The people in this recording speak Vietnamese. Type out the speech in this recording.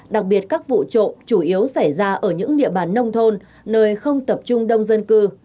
đặc biệt các vụ trộm chủ yếu xảy ra ở những địa bàn nông thôn nơi không tập trung đông dân cư